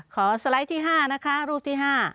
สไลด์ที่๕นะคะรูปที่๕